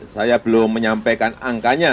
saya belum menyampaikan angkanya